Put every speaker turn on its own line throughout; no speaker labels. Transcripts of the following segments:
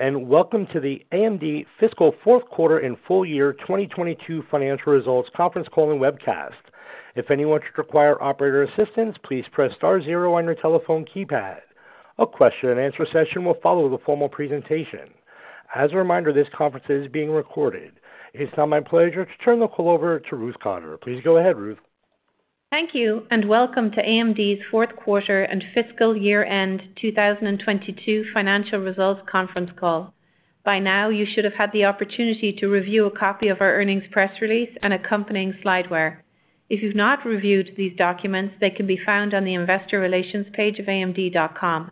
Welcome to the AMD fiscal fourth quarter and full year 2022 financial results conference calling webcast. If anyone should require operator assistance, please press star zero on your telephone keypad. A question-and-answer session will follow the formal presentation. As a reminder, this conference is being recorded. It's now my pleasure to turn the call over to Ruth Cotter. Please go ahead, Ruth.
Thank you. Welcome to AMD's fourth quarter and fiscal year-end 2022 financial results conference call. By now, you should have had the opportunity to review a copy of our earnings press release and accompanying slideware. If you've not reviewed these documents, they can be found on the investor relations page of amd.com.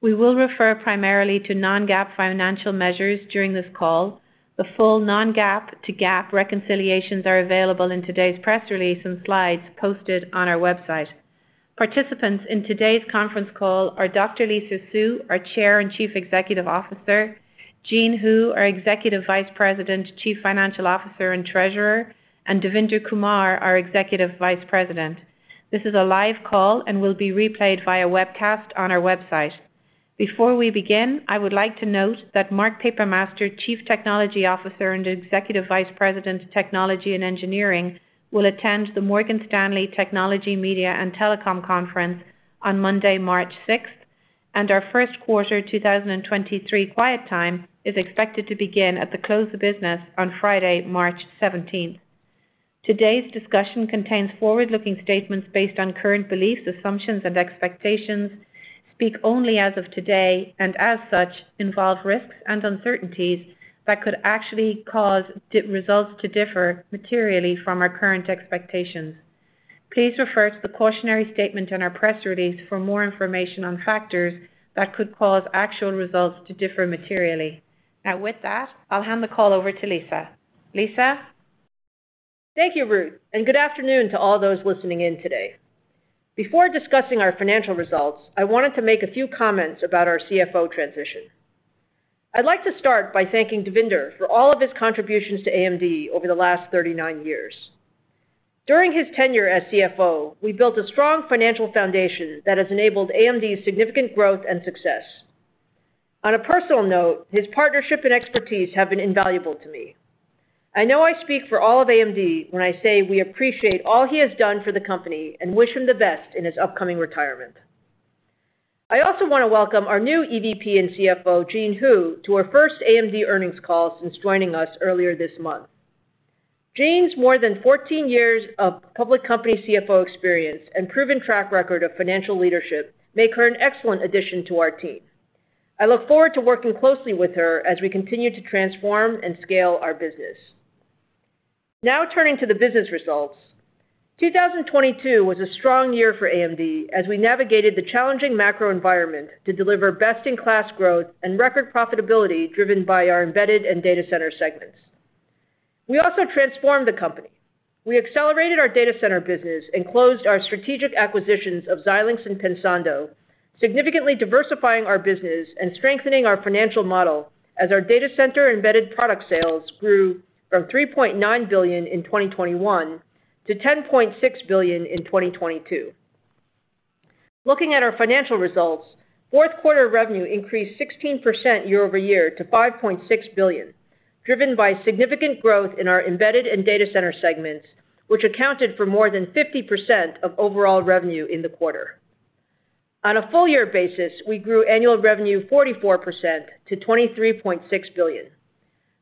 We will refer primarily to non-GAAP financial measures during this call. The full non-GAAP to GAAP reconciliations are available in today's press release and slides posted on our website. Participants in today's conference call are Dr. Lisa Su, our Chair and Chief Executive Officer, Jean Hu, our Executive Vice President, Chief Financial Officer, and Treasurer, and Devinder Kumar, our Executive Vice President. This is a live call and will be replayed via webcast on our website. Before we begin, I would like to note that Mark Papermaster, Chief Technology Officer and Executive Vice President of Technology and Engineering, will attend the Morgan Stanley Technology, Media, and Telecom Conference on Monday, March 6th, and our first quarter 2023 quiet time is expected to begin at the close of business on Friday, March 17th. Today's discussion contains forward-looking statements based on current beliefs, assumptions, and expectations, speak only as of today, and as such, involve risks and uncertainties that could actually cause results to differ materially from our current expectations. Please refer to the cautionary statement in our press release for more information on factors that could cause actual results to differ materially. With that, I'll hand the call over to Lisa. Lisa?
Thank you, Ruth, and good afternoon to all those listening in today. Before discussing our financial results, I wanted to make a few comments about our CFO transition. I'd like to start by thanking Devinder for all of his contributions to AMD over the last 39 years. During his tenure as CFO, we built a strong financial foundation that has enabled AMD's significant growth and success. On a personal note, his partnership and expertise have been invaluable to me. I know I speak for all of AMD when I say we appreciate all he has done for the company and wish him the best in his upcoming retirement. I also want to welcome our new EVP and CFO, Jean Hu, to her first AMD earnings call since joining us earlier this month. Jean's more than 14 years of public company CFO experience and proven track record of financial leadership make her an excellent addition to our team. I look forward to working closely with her as we continue to transform and scale our business. Turning to the business results. 2022 was a strong year for AMD as we navigated the challenging macro environment to deliver best-in-class growth and record profitability driven by our embedded and data center segments. We also transformed the company. We accelerated our data center business and closed our strategic acquisitions of Xilinx and Pensando, significantly diversifying our business and strengthening our financial model as our data center embedded product sales grew from $3.9 billion in 2021 to $10.6 billion in 2022. Looking at our financial results, fourth quarter revenue increased 16% year-over-year to $5.6 billion, driven by significant growth in our embedded and data center segments, which accounted for more than 50% of overall revenue in the quarter. On a full year basis, we grew annual revenue 44% to $23.6 billion.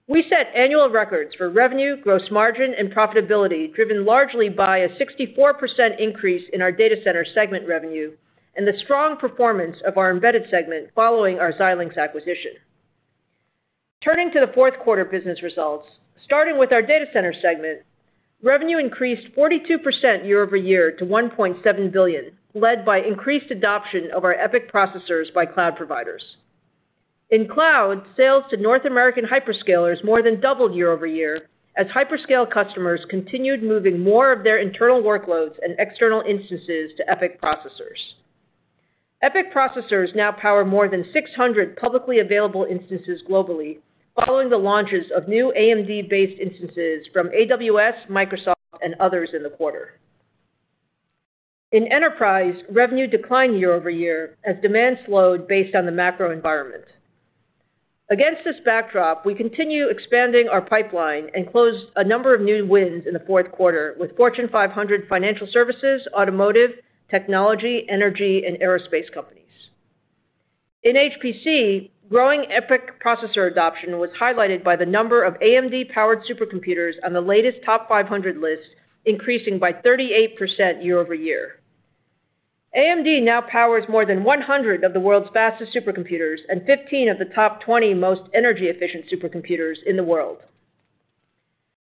We set annual records for revenue, gross margin, and profitability, driven largely by a 64% increase in our data center segment revenue and the strong performance of our embedded segment following our Xilinx acquisition. Turning to the fourth quarter business results, starting with our data center segment, revenue increased 42% year-over-year to $1.7 billion, led by increased adoption of our EPYC processors by cloud providers. In cloud, sales to North American hyperscalers more than doubled year-over-year as hyperscale customers continued moving more of their internal workloads and external instances to EPYC processors. EPYC processors now power more than 600 publicly available instances globally following the launches of new AMD-based instances from AWS, Microsoft, and others in the quarter. In enterprise, revenue declined year-over-year as demand slowed based on the macro environment. Against this backdrop, we continue expanding our pipeline and closed a number of new wins in the fourth quarter with Fortune 500 financial services, automotive, technology, energy, and aerospace companies. In HPC, growing EPYC processor adoption was highlighted by the number of AMD-powered supercomputers on the latest TOP500 list increasing by 38% year-over-year. AMD now powers more than 100 of the world's fastest supercomputers and 15 of the top 20 most energy-efficient supercomputers in the world.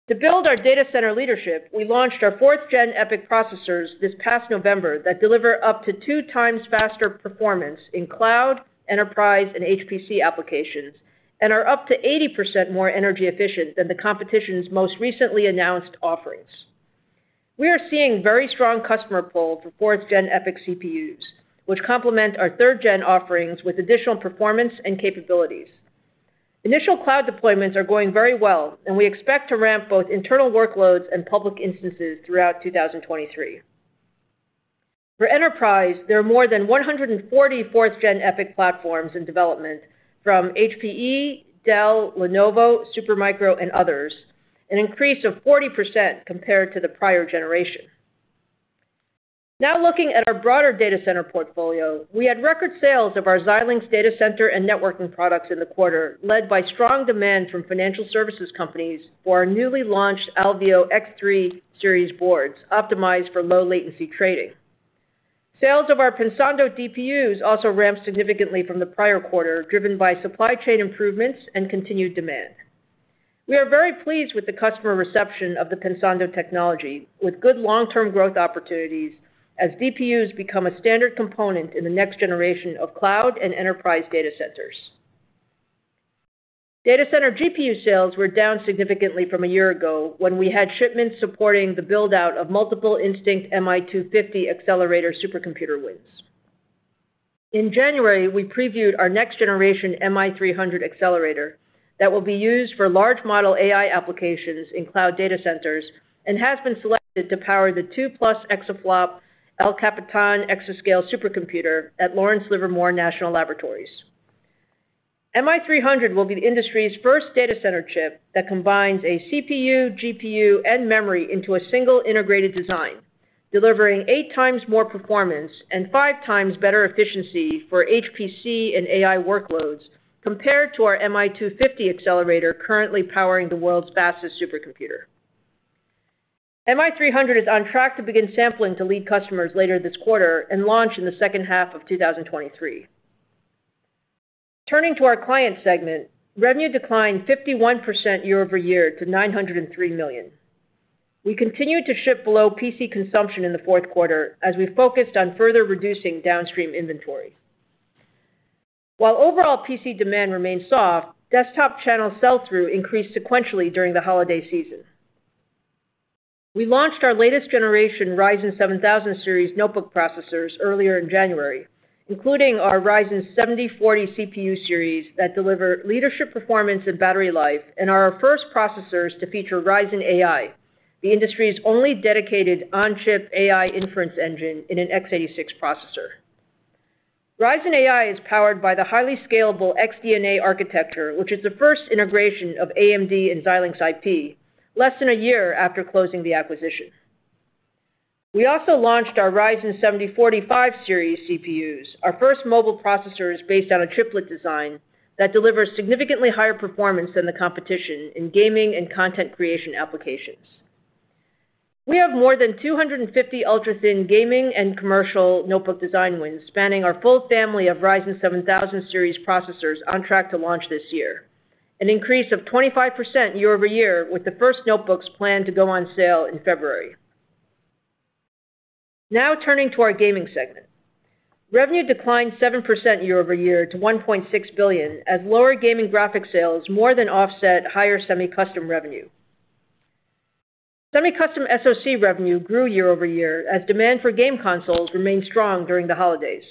To build our data center leadership, we launched our 4th Gen EPYC processors this past November that deliver up to two times faster performance in cloud, enterprise, and HPC applications and are up to 80% more energy efficient than the competition's most recently announced offerings. We are seeing very strong customer pull for 4th Gen EPYC CPUs, which complement our 3rd Gen offerings with additional performance and capabilities. Initial cloud deployments are going very well, and we expect to ramp both internal workloads and public instances throughout 2023. For enterprise, there are more than 140 4th Gen EPYC platforms in development from HPE, Dell, Lenovo, Supermicro, and others, an increase of 40% compared to the prior generation. Looking at our broader data center portfolio, we had record sales of our Xilinx data center and networking products in the quarter, led by strong demand from financial services companies for our newly launched Alveo X3 series boards optimized for low latency trading. Sales of our Pensando DPUs also ramped significantly from the prior quarter, driven by supply chain improvements and continued demand. We are very pleased with the customer reception of the Pensando technology with good long-term growth opportunities as DPUs become a standard component in the next generation of cloud and enterprise data centers. Data center GPU sales were down significantly from a year ago when we had shipments supporting the build-out of multiple Instinct MI250 accelerator supercomputer wins. In January, we previewed our next generation MI300 accelerator that will be used for large model AI applications in cloud data centers and has been selected to power the 2+ exaflop El Capitan Exascale supercomputer at Lawrence Livermore National Laboratory. MI300 will be the industry's first data center chip that combines a CPU, GPU, and memory into a single integrated design, delivering eight times more performance and five times better efficiency for HPC and AI workloads compared to our MI250 accelerator currently powering the world's fastest supercomputer. MI300 is on track to begin sampling to lead customers later this quarter and launch in the H2 of 2023. Turning to our client segment, revenue declined 51% year-over-year to $903 million. We continued to ship below PC consumption in the fourth quarter as we focused on further reducing downstream inventory. While overall PC demand remains soft, desktop channel sell-through increased sequentially during the holiday season. We launched our latest generation Ryzen 7000 Series notebook processors earlier in January, including our Ryzen 7040 CPU series that deliver leadership performance and battery life and are our first processors to feature Ryzen AI, the industry's only dedicated on-chip AI inference engine in an x86 processor. Ryzen AI is powered by the highly scalable XDNA architecture, which is the first integration of AMD and Xilinx IP, less than a year after closing the acquisition. We also launched our Ryzen 7045 series CPUs, our first mobile processors based on a chiplet design that delivers significantly higher performance than the competition in gaming and content creation applications. We have more than 250 ultra-thin gaming and commercial notebook design wins spanning our full family of Ryzen 7000 Series processors on track to launch this year, an increase of 25% year-over-year, with the first notebooks planned to go on sale in February. Turning to our gaming segment. Revenue declined 7% year-over-year to $1.6 billion as lower gaming graphic sales more than offset higher semi-custom revenue. Semi-custom SOC revenue grew year-over-year as demand for game consoles remained strong during the holidays.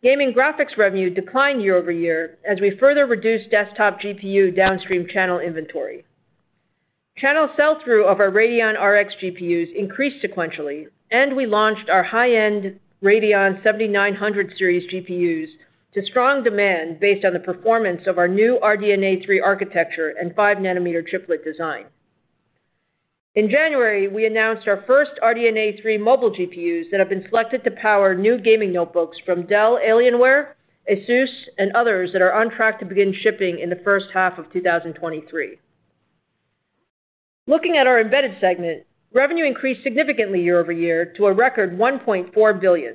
Gaming graphics revenue declined year-over-year as we further reduced desktop GPU downstream channel inventory. Channel sell-through of our Radeon RX GPUs increased sequentially and we launched our high-end Radeon 7900 series GPUs to strong demand based on the performance of our new RDNA 3 architecture and 5nm chiplet design. In January, we announced our first RDNA 3 mobile GPUs that have been selected to power new gaming notebooks from Dell, Alienware, ASUS, and others that are on track to begin shipping in the H1 of 2023. Looking at our embedded segment, revenue increased significantly year-over-year to a record $1.4 billion.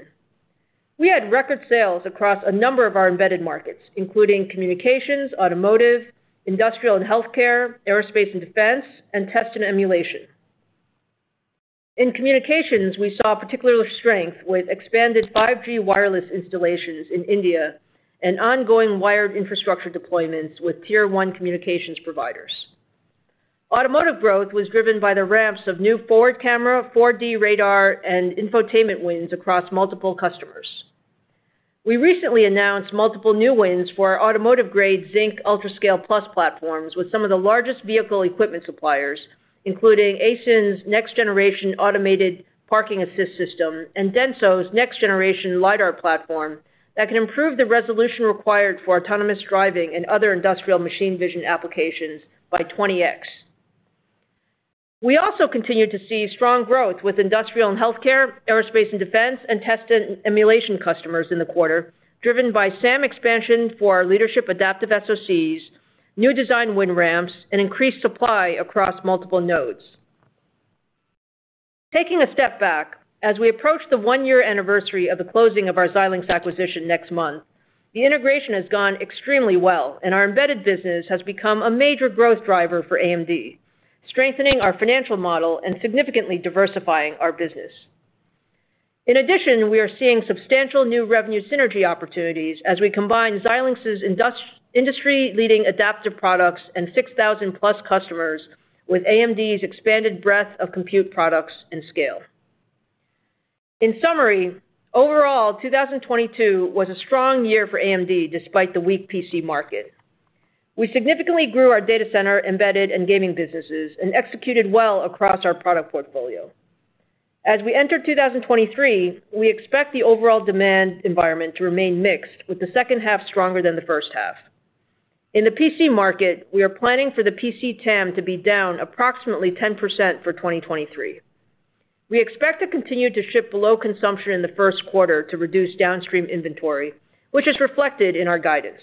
We had record sales across a number of our embedded markets, including communications, automotive, industrial and healthcare, aerospace and defense, and test and emulation. In communications, we saw particular strength with expanded 5G wireless installations in India and ongoing wired infrastructure deployments with tier one communications providers. Automotive growth was driven by the ramps of new forward camera, 4D radar, and infotainment wins across multiple customers. We recently announced multiple new wins for our automotive-grade Zynq UltraScale+ platforms with some of the largest vehicle equipment suppliers, including Aisin's next-generation automated parking assist system and DENSO's next-generation LiDAR platform that can improve the resolution required for autonomous driving and other industrial machine vision applications by 20x. We also continued to see strong growth with industrial and healthcare, aerospace and defense, and test and emulation customers in the quarter, driven by SAM expansion for our leadership adaptive SoCs, new design win ramps, and increased supply across multiple nodes. Taking a step back, as we approach the one-year anniversary of the closing of our Xilinx acquisition next month, the integration has gone extremely well and our embedded business has become a major growth driver for AMD, strengthening our financial model and significantly diversifying our business. In addition, we are seeing substantial new revenue synergy opportunities as we combine Xilinx's industry-leading adaptive products and 6,000+ customers with AMD's expanded breadth of compute products and scale. In summary, overall, 2022 was a strong year for AMD despite the weak PC market. We significantly grew our data center embedded in gaming businesses and executed well across our product portfolio. We enter 2023, we expect the overall demand environment to remain mixed with the second half stronger than the first half. In the PC market, we are planning for the PC TAM to be down approximately 10% for 2023. We expect to continue to ship below consumption in the first quarter to reduce downstream inventory, which is reflected in our guidance.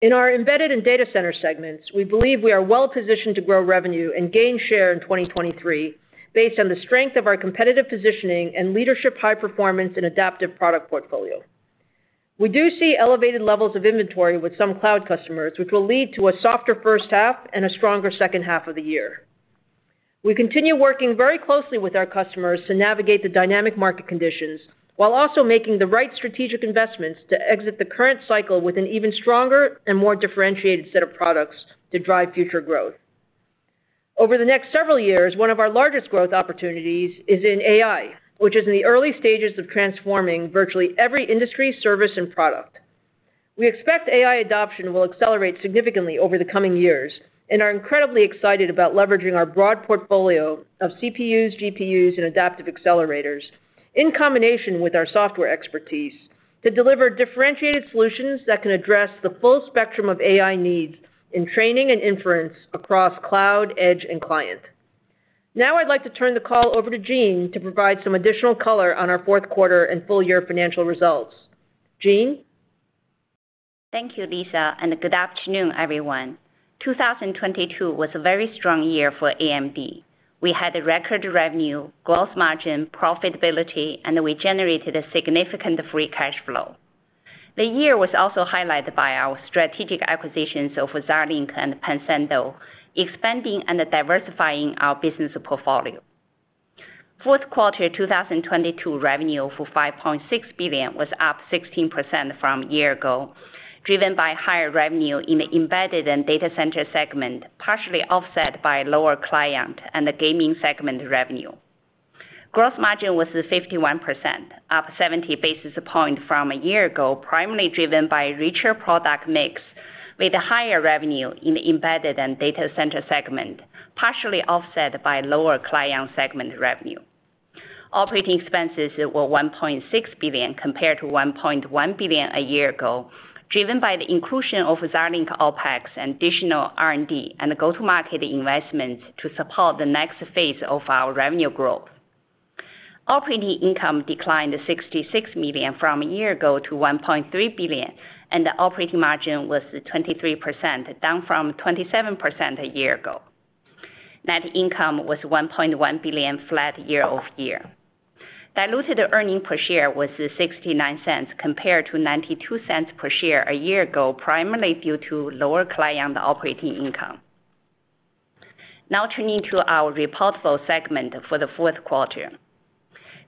In our embedded and data center segments, we believe we are well-positioned to grow revenue and gain share in 2023 based on the strength of our competitive positioning and leadership high performance and adaptive product portfolio. We do see elevated levels of inventory with some cloud customers, which will lead to a softer H1 and a stronger H2 of the year. We continue working very closely with our customers to navigate the dynamic market conditions while also making the right strategic investments to exit the current cycle with an even stronger and more differentiated set of products to drive future growth. Over the next several years, one of our largest growth opportunities is in AI, which is in the early stages of transforming virtually every industry, service, and product. We expect AI adoption will accelerate significantly over the coming years and are incredibly excited about leveraging our broad portfolio of CPUs, GPUs, and adaptive accelerators in combination with our software expertise to deliver differentiated solutions that can address the full spectrum of AI needs in training and inference across cloud, edge, and client. I'd like to turn the call over to Jean to provide some additional color on our fourth quarter and full year financial results. Jean.
Thank you, Lisa. Good afternoon, everyone. 2022 was a very strong year for AMD. We had a record revenue, gross margin, profitability, and we generated a significant free cash flow. The year was also highlighted by our strategic acquisitions of Xilinx and Pensando, expanding and diversifying our business portfolio. Fourth quarter 2022 revenue for $5.6 billion was up 16% from a year-ago, driven by higher revenue in the embedded and data center segment, partially offset by lower client and the gaming segment revenue. Gross margin was 51%, up 70 basis points from a year-ago, primarily driven by richer product mix with higher revenue in the embedded and data center segment, partially offset by lower client segment revenue. Operating expenses were $1.6 billion compared to $1.1 billion a year ago, driven by the inclusion of Xilinx OpEx and additional R&D and go-to-market investments to support the next phase of our revenue growth. Operating income declined $66 million from a year ago to $1.3 billion, and the operating margin was 23%, down from 27% a year ago. Net income was $1.1 billion flat year-over-year. Diluted earning per share was $0.69 compared to $0.92 per share a year ago, primarily due to lower client operating income. Now turning to our reportable segment for the fourth quarter.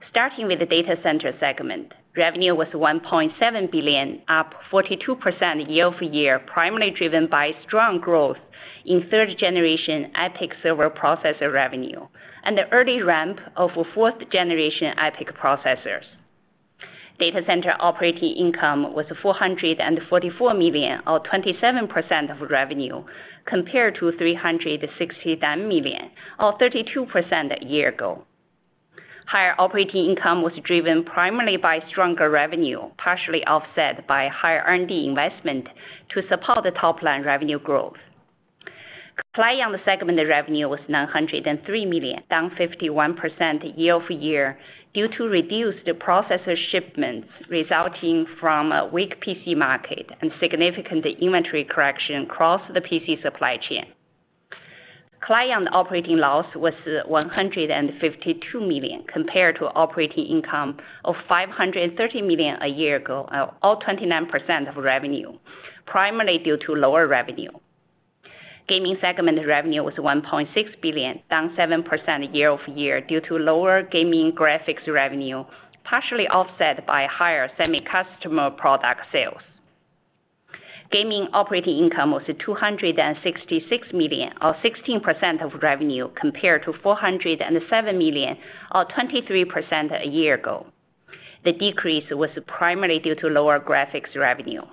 Starting with the data center segment, revenue was $1.7 billion, up 42% year-over-year, primarily driven by strong growth in 3rd Generation EPYC server processor revenue and the early ramp of 4th Generation EPYC processors. Data center operating income was $444 million, or 27% of revenue, compared to $369 million, or 32% a year ago. Higher operating income was driven primarily by stronger revenue, partially offset by higher R&D investment to support the top line revenue growth. Client segment revenue was $903 million, down 51% year-over-year due to reduced processor shipments resulting from a weak PC market and significant inventory correction across the PC supply chain. Client operating loss was $152 million compared to operating income of $530 million a year ago, or 29% of revenue, primarily due to lower revenue. Gaming segment revenue was $1.6 billion, down 7% year-over-year due to lower gaming graphics revenue, partially offset by higher semi-custom product sales. Gaming operating income was $266 million, or 16% of revenue, compared to $407 million, or 23% a year ago. The decrease was primarily due to lower graphics revenue.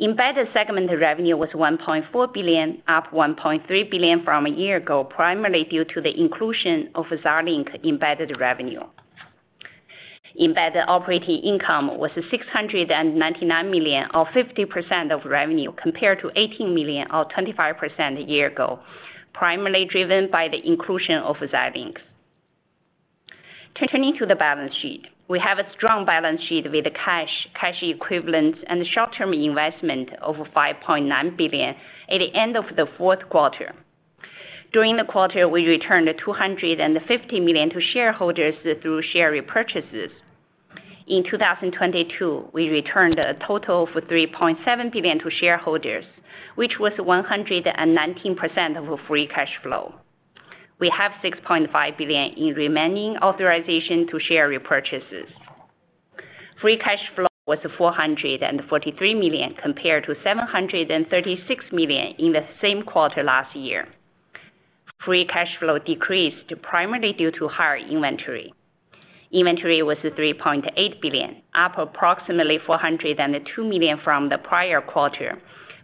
Embedded segment revenue was $1.4 billion, up $1.3 billion from a year ago, primarily due to the inclusion of Xilinx embedded revenue. Embedded operating income was $699 million, or 50% of revenue, compared to $80 million, or 25% a year ago, primarily driven by the inclusion of Xilinx. Turning to the balance sheet. We have a strong balance sheet with cash equivalents, and short-term investment of $5.9 billion at the end of the fourth quarter. During the quarter, we returned $250 million to shareholders through share repurchases. In 2022, we returned a total of $3.7 billion to shareholders, which was 119% of free cash flow. We have $6.5 billion in remaining authorization to share repurchases. Free cash flow was $443 million compared to $736 million in the same quarter last year. Free cash flow decreased primarily due to higher inventory. Inventory was $3.8 billion, up approximately $402 million from the prior quarter,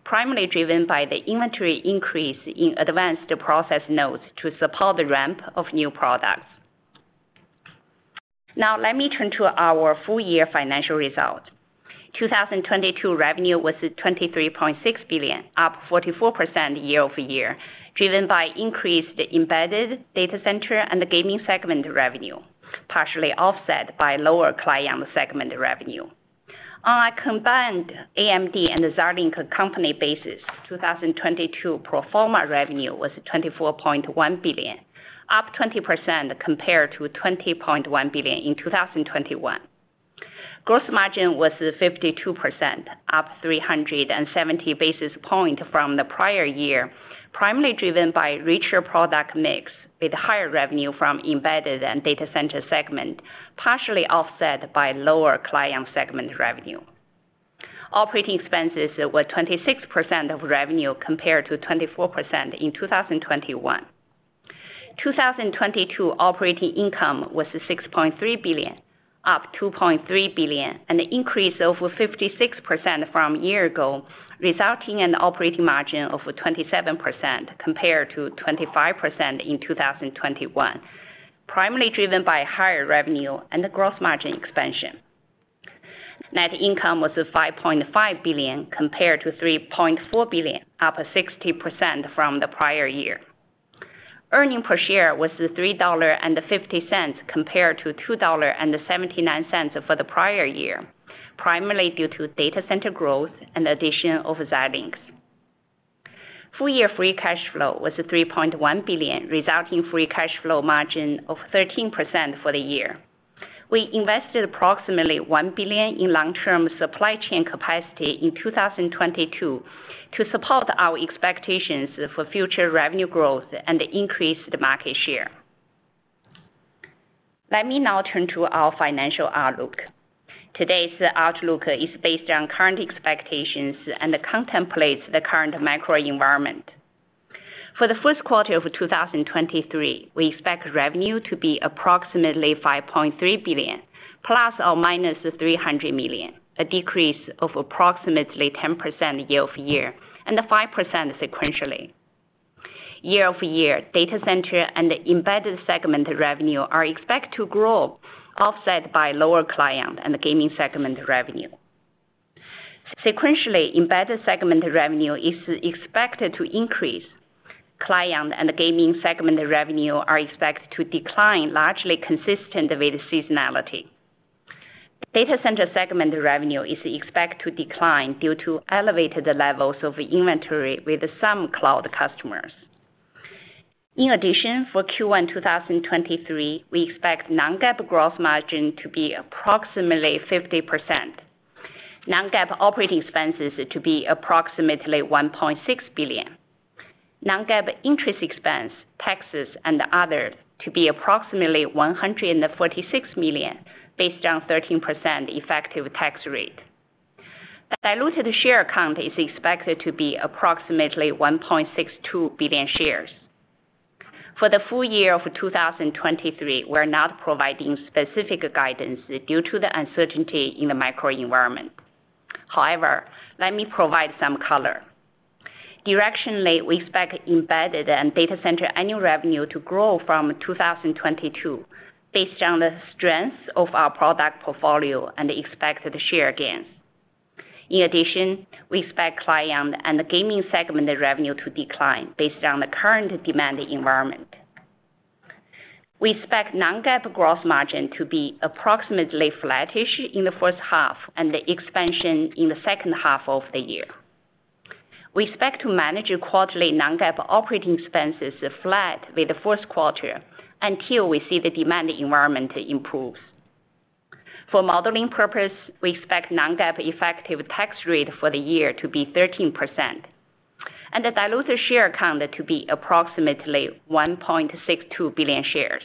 primarily driven by the inventory increase in advanced process nodes to support the ramp of new products. Let me turn to our full-year financial result. 2022 revenue was $23.6 billion, up 44% year-over-year, driven by increased Embedded, Data Center and the Gaming segment revenue, partially offset by lower Client segment revenue. On a combined AMD and Xilinx company basis, 2022 pro forma revenue was $24.1 billion, up 20% compared to $20.1 billion in 2021. Gross margin was 52%, up 370 basis point from the prior year, primarily driven by richer product mix with higher revenue from Embedded and Data Center segment, partially offset by lower Client segment revenue. Operating expenses were 26% of revenue compared to 24% in 2021. 2022 operating income was $6.3 billion, up $2.3 billion, an increase over 56% from a year ago, resulting in operating margin of 27% compared to 25% in 2021, primarily driven by higher revenue and the growth margin expansion. Net income was $5.5 billion compared to $3.4 billion, up 60% from the prior year. Earning per share was $3.50 compared to $2.79 for the prior year, primarily due to Data Center growth and addition of Xilinx. Full year free cash flow was $3.1 billion, resulting free cash flow margin of 13% for the year. We invested approximately $1 billion in long-term supply chain capacity in 2022 to support our expectations for future revenue growth and increase the market share. Let me now turn to our financial outlook. Today's outlook is based on current expectations and contemplates the current macro environment. For the first quarter of 2023, we expect revenue to be approximately $5.3 billion, ±$300 million, a decrease of approximately 10% year-over-year, and 5% sequentially. Year-over-year, Data Center and the Embedded segment revenue are expected to grow, offset by lower Client and the Gaming segment revenue. Sequentially, Embedded segment revenue is expected to increase. Client and the Gaming segment revenue are expected to decline, largely consistent with seasonality. Data Center segment revenue is expected to decline due to elevated levels of inventory with some cloud customers. In addition, for Q1 2023, we expect non-GAAP growth margin to be approximately 50%. Non-GAAP operating expenses to be approximately $1.6 billion. Non-GAAP interest expense, taxes and other to be approximately $146 million based on 13% effective tax rate. The diluted share count is expected to be approximately 1.62 billion shares. For the full year of 2023, we're not providing specific guidance due to the uncertainty in the macro environment. However, let me provide some color. Directionally, we expect Embedded and Data Center annual revenue to grow from 2022 based on the strength of our product portfolio and the expected share gains. In addition, we expect Client and the Gaming segment revenue to decline based on the current demand environment. We expect non-GAAP growth margin to be approximately flattish in the H1 and the expansion in the H2 of the year. We expect to manage quarterly non-GAAP operating expenses flat with the first quarter until we see the demand environment improves. For modeling purpose, we expect non-GAAP effective tax rate for the year to be 13% and the diluted share count to be approximately 1.62 billion shares.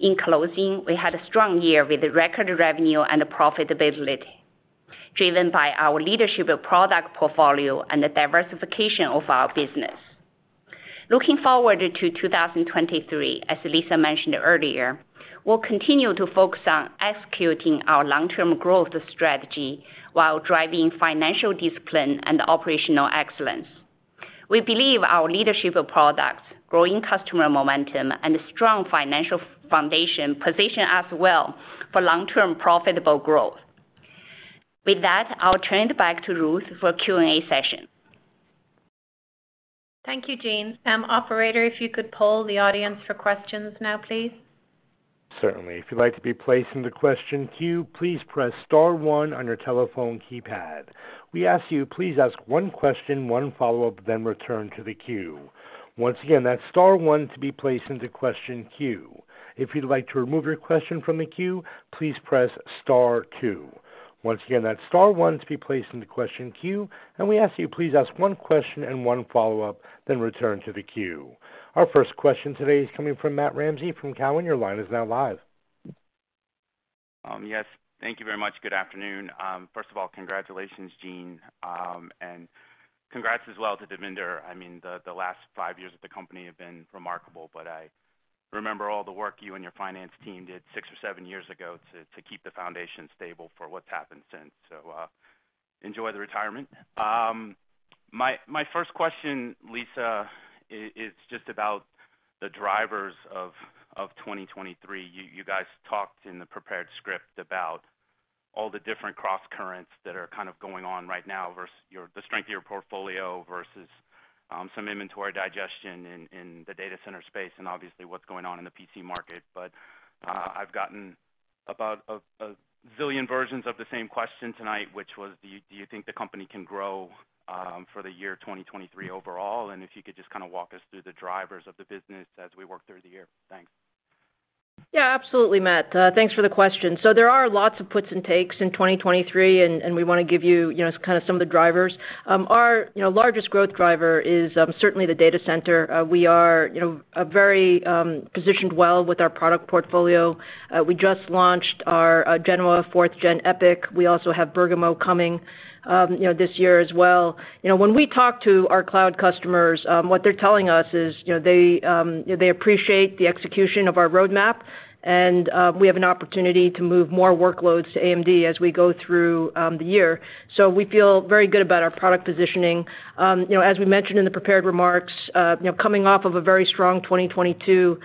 In closing, we had a strong year with record revenue and profitability, driven by our leadership of product portfolio and the diversification of our business. Looking forward to 2023, as Lisa mentioned earlier, we'll continue to focus on executing our long-term growth strategy while driving financial discipline and operational excellence. We believe our leadership of products, growing customer momentum and strong financial foundation position us well for long-term profitable growth. With that, I'll turn it back to Ruth for Q&A session.
Thank you, Jean. Operator, if you could poll the audience for questions now, please.
Certainly. If you'd like to be placed in the question queue, please press star one on your telephone keypad. We ask you please ask one question, one follow-up, then return to the queue. Once again, that's star one to be placed into question queue. If you'd like to remove your question from the queue, please press star two. Once again, that's star one to be placed in the question queue. We ask you please ask one question and one follow-up, then return to the queue. Our first question today is coming from Matt Ramsay from Cowen. Your line is now live.
Yes. Thank you very much. Good afternoon. First of all, congratulations, Jean Hu. Congrats as well to Devinder Kumar. I mean, the last five years of the company have been remarkable, but I remember all the work you and your finance team did six or seven years ago to keep the foundation stable for what's happened since. Enjoy the retirement. My first question, Lisa Su, is just about the drivers of 2023. You guys talked in the prepared script about all the different crosscurrents that are kind of going on right now versus the strength of your portfolio versus some inventory digestion in the data center space, and obviously what's going on in the PC market. I've gotten about a zillion versions of the same question tonight, which was do you think the company can grow for the year 2023 overall? If you could just kinda walk us through the drivers of the business as we work through the year. Thanks.
Yeah, absolutely, Matt. Thanks for the question. There are lots of puts and takes in 2023, and we wanna give you know, kind of some of the drivers. Our, you know, largest growth driver is certainly the data center. We are, you know, very positioned well with our product portfolio. We just launched our Genoa 4th Gen EPYC. We also have Bergamo coming, you know, this year as well. You know, when we talk to our cloud customers, what they're telling us is, you know, they appreciate the execution of our roadmap, and we have an opportunity to move more workloads to AMD as we go through the year. We feel very good about our product positioning. You know, as we mentioned in the prepared remarks, you know, coming off of a very strong 2022,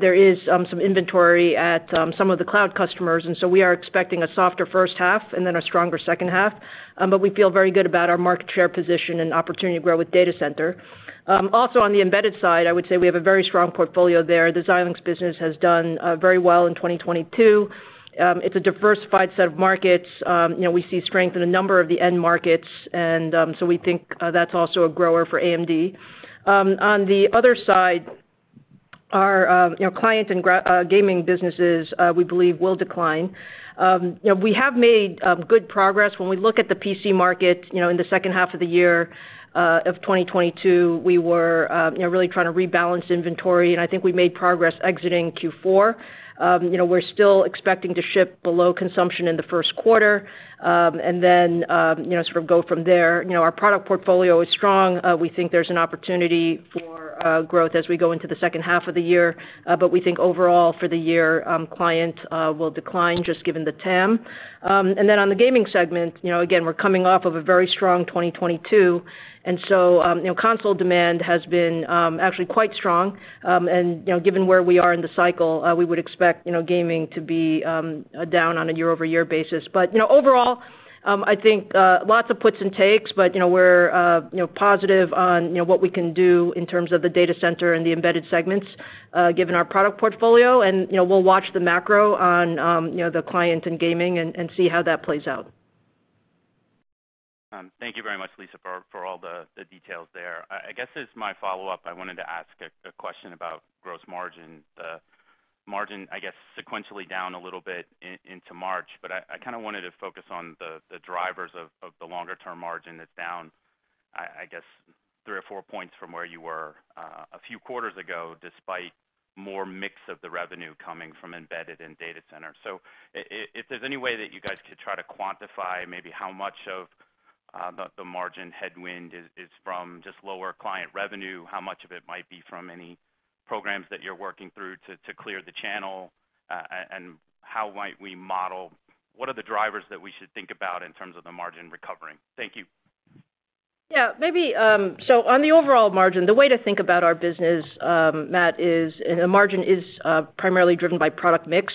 there is some inventory at some of the cloud customers. We are expecting a softer first half and then a stronger second half. We feel very good about our market share position and opportunity to grow with data center. Also on the embedded side, I would say we have a very strong portfolio there. The Xilinx business has done very well in 2022. It's a diversified set of markets. You know, we see strength in a number of the end markets, and so we think that's also a grower for AMD. On the other side, our, you know, client and gaming businesses, we believe will decline. You know, we have made good progress. When we look at the PC market, you know, in the H2 of the year, of 2022, we were, you know, really trying to rebalance inventory, and I think we made progress exiting Q4. You know, we're still expecting to ship below consumption in the first quarter, and then, you know, sort of go from there. You know, our product portfolio is strong. We think there's an opportunity for growth as we go into the H2 of the year. We think overall for the year, client, will decline just given the TAM. On the gaming segment, you know, again, we're coming off of a very strong 2022. You know, console demand has been actually quite strong. You know, given where we are in the cycle, we would expect, you know, gaming to be down on a year-over-year basis. You know, overall, I think, lots of puts and takes, but, you know, we're, you know, positive on, you know, what we can do in terms of the data center and the embedded segments, given our product portfolio. You know, we'll watch the macro on, you know, the client and gaming and see how that plays out.
Thank you very much, Lisa, for all the details there. I guess as my follow-up, I wanted to ask a question about gross margin. The margin, I guess, sequentially down a little bit into March, but I kinda wanted to focus on the drivers of the longer term margin that's down, I guess three or four points from where you were a few quarters ago, despite more mix of the revenue coming from embedded and data center. If there's any way that you guys could try to quantify maybe how much of the margin headwind is from just lower client revenue? How much of it might be from any programs that you're working through to clear the channel? How might we model what are the drivers that we should think about in terms of the margin recovering? Thank you.
Yeah. Maybe. On the overall margin, the way to think about our business, Matt, is the margin is primarily driven by product mix.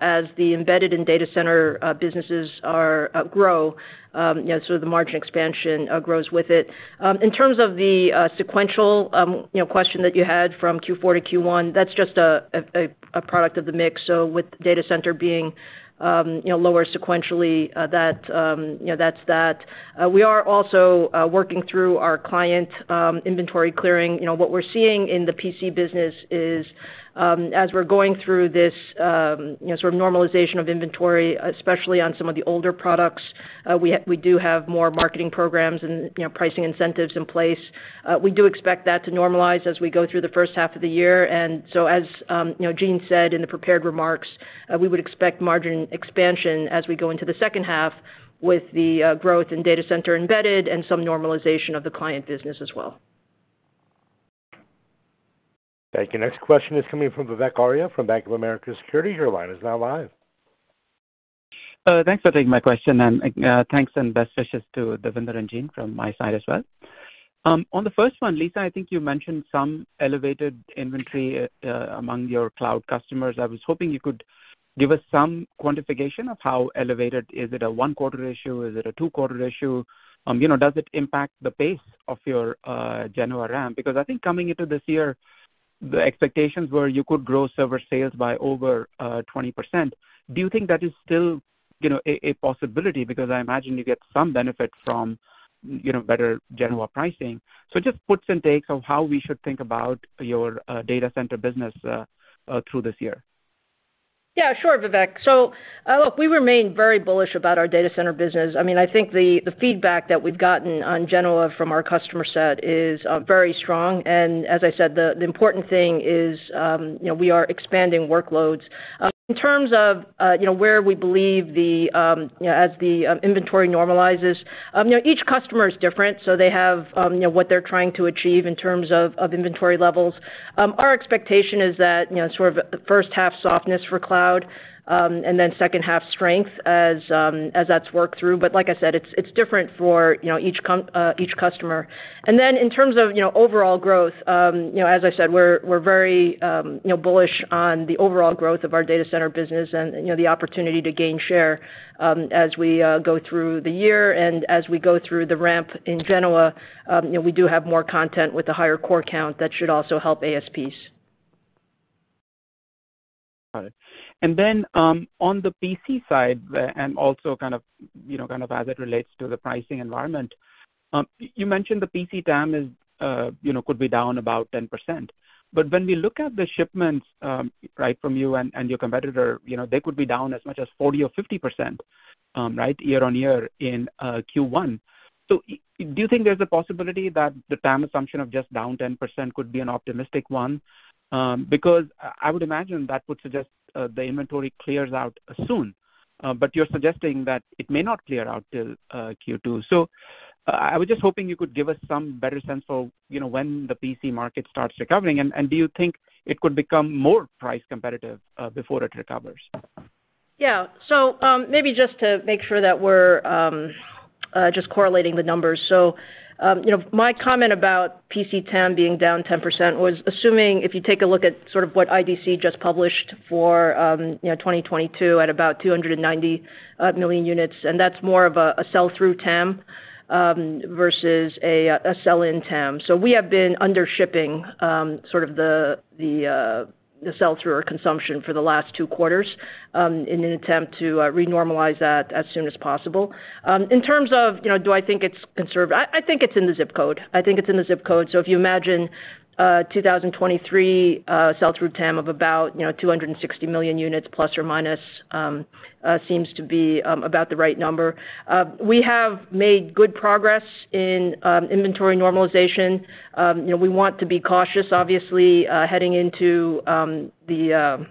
As the embedded and data center businesses are grow, you know, so the margin expansion grows with it. In terms of the sequential, you know, question that you had from Q4 to Q1, that's just a product of the mix. With data center being, you know, lower sequentially, that, you know, that's that. We are also working through our client inventory clearing. You know, what we're seeing in the PC business is, as we're going through this, you know, sort of normalization of inventory, especially on some of the older products, we do have more marketing programs and, you know, pricing incentives in place. We do expect that to normalize as we go through the H1 of the year. As, you know, Jean said in the prepared remarks, we would expect margin expansion as we go into the second half with the growth in data center embedded and some normalization of the client business as well.
Thank you. Next question is coming from Vivek Arya from Bank of America Securities. Your line is now live.
Thanks for taking my question, and thanks and best wishes to Devinder and Jean from my side as well. On the first one, Lisa, I think you mentioned some elevated inventory among your cloud customers. I was hoping you could give us some quantification of how elevated. Is it a one-quarter issue? Is it a two-quarter issue? You know, does it impact the pace of your Genoa ramp? Because I think coming into this year, the expectations were you could grow server sales by over 20%. Do you think that is still, you know, a possibility? Because I imagine you get some benefit from, you know, better Genoa pricing. Just puts and takes of how we should think about your data center business through this year.
Yeah, sure, Vivek. Look, we remain very bullish about our data center business. I mean, I think the feedback that we've gotten on Genoa from our customer set is very strong. As I said, the important thing is, you know, we are expanding workloads. In terms of, you know, where we believe the, you know, as the inventory normalizes, you know, each customer is different, so they have, you know, what they're trying to achieve in terms of inventory levels. Our expectation is that, you know, sort of first half softness for cloud, and then second half strength as that's worked through. Like I said, it's different for, you know, each customer. In terms of, you know, overall growth, you know, as I said, we're very, you know, bullish on the overall growth of our data center business and, you know, the opportunity to gain share, as we go through the year and as we go through the ramp in Genoa. You know, we do have more content with the higher core count that should also help ASPs.
Got it. On the PC side, and also kind of, you know, kind of as it relates to the pricing environment, you mentioned the PC TAM is, you know, could be down about 10%. When we look at the shipments, right from you and your competitor, you know, they could be down as much as 40%-50%, right, year-on-year in Q1. Do you think there's a possibility that the TAM assumption of just down 10% could be an optimistic one? Because I would imagine that would suggest the inventory clears out soon. You're suggesting that it may not clear out 'til Q2. I was just hoping you could give us some better sense for, you know, when the PC market starts recovering. Do you think it could become more price competitive before it recovers?
Yeah. Maybe just to make sure that we're just correlating the numbers. You know, my comment about PC TAM being down 10% was assuming if you take a look at sort of what IDC just published for, you know, 2022 at about 290 million units, and that's more of a sell-through TAM versus a sell-in TAM. We have been under shipping sort of the sell-through or consumption for the last two quarters in an attempt to re-normalize that as soon as possible. In terms of, you know, do I think it's conservative? I think it's in the zip code. I think it's in the zip code. If you imagine 2023 sell-through TAM of about, you know, 260± million units, seems to be about the right number. We have made good progress in inventory normalization. You know, we want to be cautious, obviously, heading into the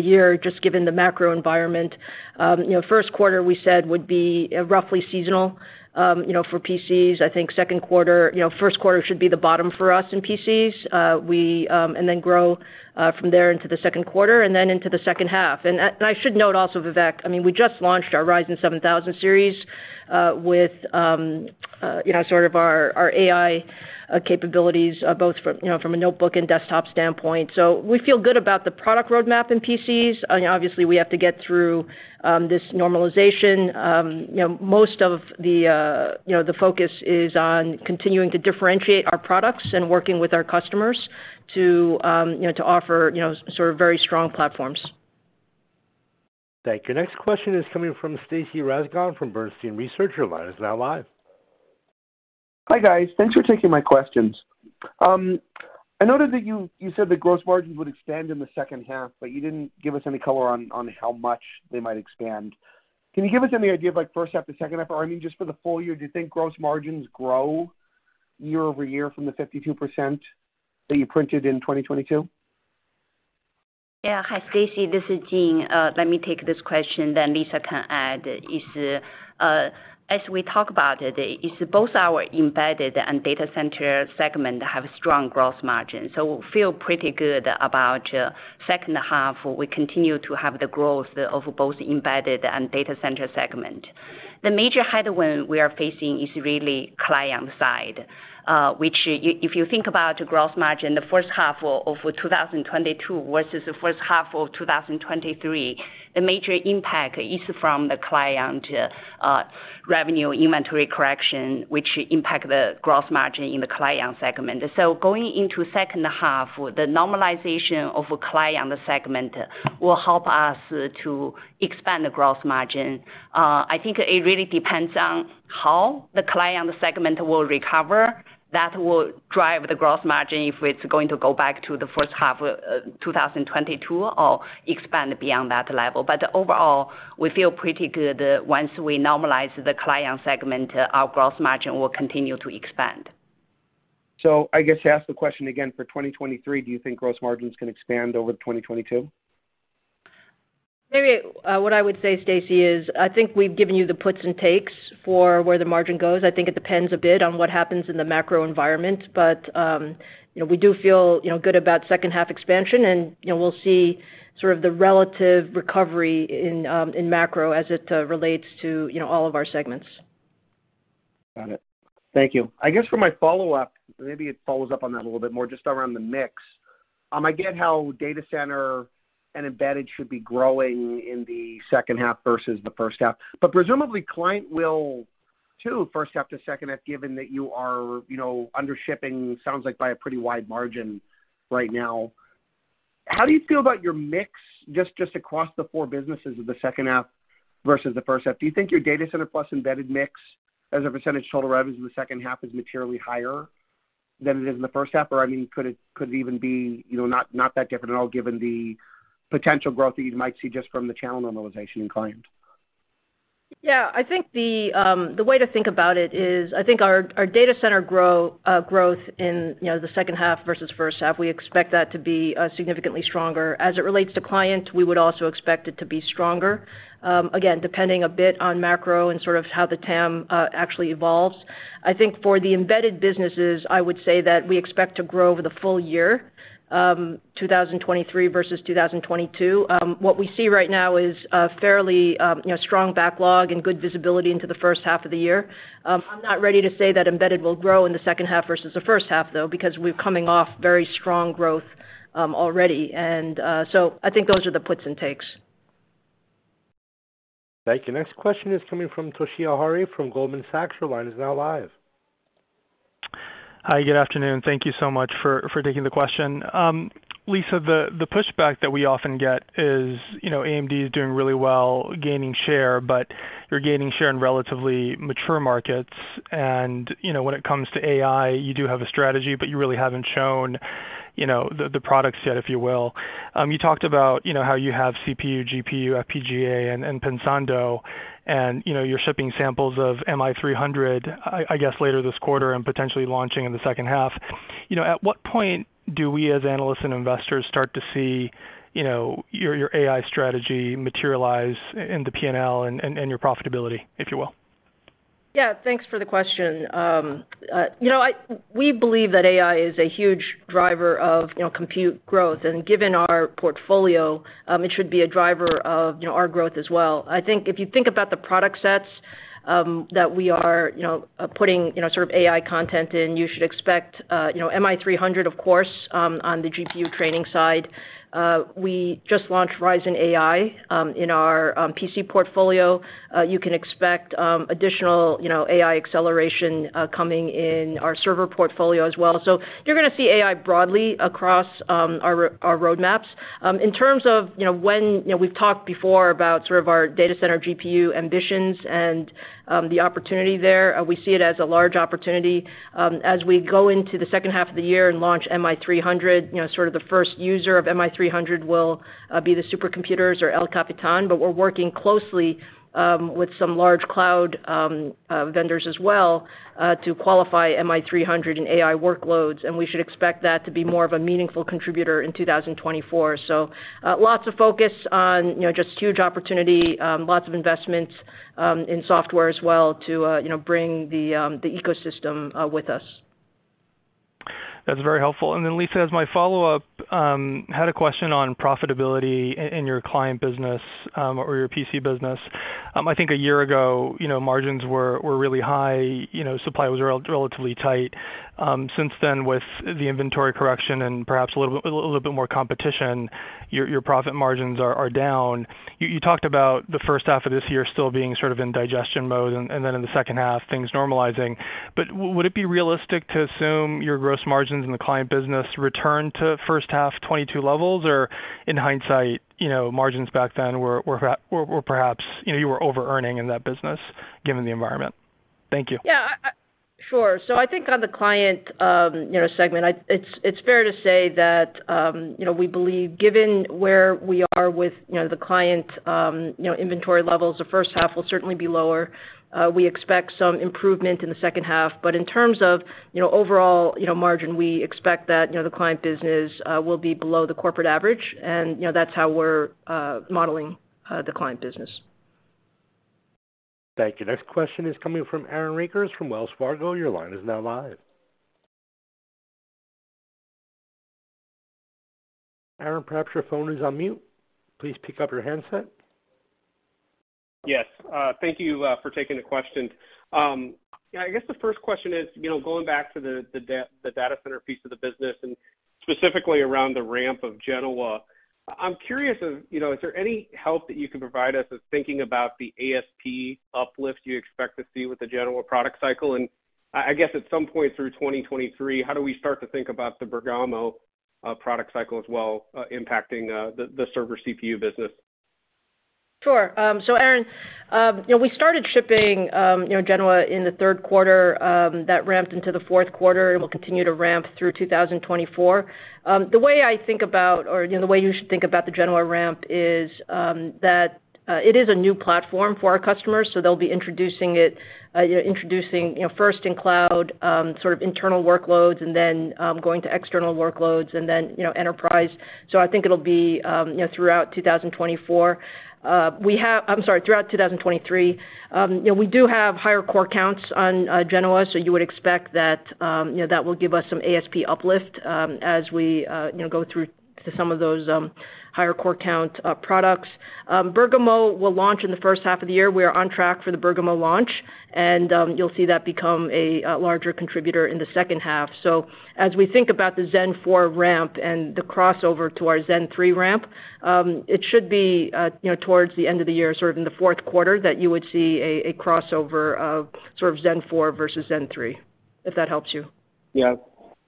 year just given the macro environment. You know, first quarter we said would be roughly seasonal, you know, for PCs. You know, first quarter should be the bottom for us in PCs. We grow from there into the second quarter and then into the second half. I should note also, Vivek, I mean, we just launched our Ryzen 7000 Series with, you know, sort of our AI capabilities, both from, you know, from a notebook and desktop standpoint. We feel good about the product roadmap in PCs. You know, obviously we have to get through this normalization. You know, most of the, you know, the focus is on continuing to differentiate our products and working with our customers to, you know, to offer, you know, sort of very strong platforms.
Thank you. Next question is coming from Stacy Rasgon from Bernstein Research. Your line is now live.
Hi, guys. Thanks for taking my questions. I noted that you said that gross margins would expand in the second half. You didn't give us any color on how much they might expand. Can you give us any idea of like first half to second half? Or I mean, just for the full year, do you think gross margins grow year-over-year from the 52% that you printed in 2022?
Yeah. Hi, Stacy, this is Jean. Let me take this question. Lisa can add. As we talk about it, both our embedded and data center segment have strong gross margin. Feel pretty good about second half, we continue to have the growth of both embedded and data center segment. The major headwind we are facing is really client side, which if you think about gross margin, the H1 of 2022 versus the H1 of 2023, the major impact is from the client revenue inventory correction, which impact the gross margin in the client segment. Going into second half, the normalization of client segment will help us to expand the gross margin. I think it really depends on how the client segment will recover. That will drive the gross margin if it's going to go back to the H1 of 2022 or expand beyond that level. Overall, we feel pretty good once we normalize the client segment, our gross margin will continue to expand.
I guess to ask the question again, for 2023, do you think gross margins can expand over 2022?
Maybe, what I would say, Stacy, is I think we've given you the puts and takes for where the margin goes. I think it depends a bit on what happens in the macro environment. You know, we do feel, you know, good about second half expansion and, you know, we'll see sort of the relative recovery in macro as it relates to, you know, all of our segments.
Got it. Thank you. I guess for my follow-up, maybe it follows up on that a little bit more just around the mix. I get how data center and embedded should be growing in the second half versus the first half, but presumably client will too, first half to second half, given that you are, you know, under shipping, sounds like by a pretty wide margin right now. How do you feel about your mix just across the four businesses of the second half versus the first half? Do you think your data center plus embedded mix as a percentage total revenue in the second half is materially higher? Than it is in the first half? I mean, could it even be, you know, not that different at all given the potential growth that you might see just from the channel normalization in client?
Yeah. I think the way to think about it is I think our data center growth in, you know, the second half versus first half, we expect that to be significantly stronger. As it relates to clients, we would also expect it to be stronger. Again, depending a bit on macro and sort of how the TAM actually evolves. I think for the embedded businesses, I would say that we expect to grow over the full year 2023 versus 2022. What we see right now is a fairly, you know, strong backlog and good visibility into the H1 of the year. I'm not ready to say that embedded will grow in the second half versus the first half, though, because we're coming off very strong growth already. I think those are the puts and takes.
Thank you. Next question is coming from Toshiya Hari from Goldman Sachs. Your line is now live.
Hi, good afternoon. Thank you so much for taking the question. Lisa, the pushback that we often get is, you know, AMD is doing really well gaining share, but you're gaining share in relatively mature markets. You know, when it comes to AI, you do have a strategy, but you really haven't shown, you know, the products yet, if you will. You talked about, you know, how you have CPU, GPU, FPGA and Pensando, and, you know, you're shipping samples of MI300, I guess, later this quarter and potentially launching in the second half. You know, at what point do we, as analysts and investors, start to see, you know, your AI strategy materialize in the P&L and your profitability, if you will?
Yeah. Thanks for the question. You know, we believe that AI is a huge driver of, you know, compute growth. Given our portfolio, it should be a driver of, you know, our growth as well. I think if you think about the product sets, that we are, you know, putting, you know, sort of AI content in, you should expect, you know, MI300, of course, on the GPU training side. We just launched Ryzen AI in our PC portfolio. You can expect additional, you know, AI acceleration coming in our server portfolio as well. You're gonna see AI broadly across our roadmaps. In terms of, you know, when, you know, we've talked before about sort of our data center GPU ambitions and the opportunity there, we see it as a large opportunity. As we go into the H2 of the year and launch MI300, you know, sort of the first user of MI300 will be the supercomputers or El Capitan. We're working closely with some large cloud vendors as well to qualify MI300 in AI workloads, and we should expect that to be more of a meaningful contributor in 2024. Lots of focus on, you know, just huge opportunity, lots of investments in software as well to, you know, bring the ecosystem with us.
That's very helpful. Lisa, as my follow-up, had a question on profitability in your client business, or your PC business. I think a year ago, you know, margins were really high. You know, supply was relatively tight. Since then, with the inventory correction and perhaps a little bit more competition, your profit margins are down. You talked about the H1 of this year still being sort of in digestion mode, and then in the second half, things normalizing. Would it be realistic to assume your gross margins in the client business return to H1 2022 levels? In hindsight, you know, margins back then were perhaps, you know, you were overearning in that business given the environment? Thank you.
Yeah. Sure. I think on the client, you know, segment, it's fair to say that, you know, we believe given where we are with, you know, the client, you know, inventory levels, the first half will certainly be lower. We expect some improvement in the second half. In terms of, you know, overall, you know, margin, we expect that, you know, the client business will be below the corporate average and, you know, that's how we're modeling the client business.
Thank you. Next question is coming from Aaron Rakers from Wells Fargo. Your line is now live. Aaron, perhaps your phone is on mute. Please pick up your handset.
Yes. Thank you for taking the question. Yeah, I guess the first question is, you know, going back to the data center piece of the business, and specifically around the ramp of Genoa. I'm curious if, you know, is there any help that you can provide us as thinking about the ASP uplift you expect to see with the Genoa product cycle? I guess at some point through 2023, how do we start to think about the Bergamo product cycle as well impacting the server CPU business?
Sure. Aaron, you know, we started shipping, you know, Genoa in the third quarter, that ramped into the fourth quarter and will continue to ramp through 2024. The way I think about or, you know, the way you should think about the Genoa ramp is that it is a new platform for our customers, so they'll be introducing it, you know, introducing, you know, first in cloud, sort of internal workloads and then, going to external workloads and then, you know, enterprise. I think it'll be, you know, throughout 2024. I'm sorry, throughout 2023. You know, we do have higher core counts on Genoa, you would expect that, you know, that will give us some ASP uplift, as we, you know, go through to some of those higher core count products. Bergamo will launch in the H1 of the year. We are on track for the Bergamo launch, you'll see that become a larger contributor in the second half. As we think about the Zen 4 ramp and the crossover to our Zen 3 ramp, it should be, you know, towards the end of the year, sort of in the fourth quarter that you would see a crossover of sort of Zen 4 versus Zen 3, if that helps you.
Yeah.